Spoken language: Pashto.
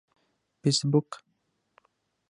فیسبوک